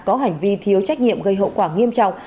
có hành vi thiếu trách nhiệm gây hậu quả nghiêm trọng